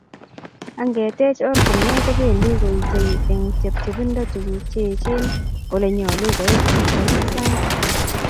Angeteech oratinweek kobendi koitei eng chepchebindo tuguuk cheechen ole nyolu koit ak koriip sait.